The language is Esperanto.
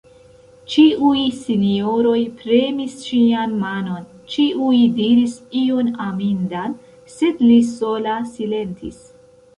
Ĉiuj sinjoroj premis ŝian manon, ĉiuj diris ion amindan, sed li sola silentis.